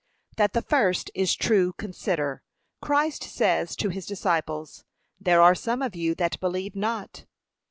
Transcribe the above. That the first is true consider, Christ says to his disciples, 'There are some of you that believe not.'